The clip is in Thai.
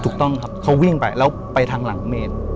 ถูกต้องครับเขาวิ่งไปแล้วไปทางหลังเมน